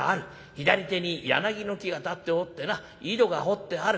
左手に柳の木が立っておってな井戸が掘ってある」。